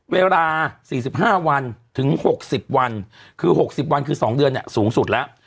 เวลา๔๕วันถึง๖๐วันคือ๖๐วันคือ๒เดือนสูงสุดแล้ว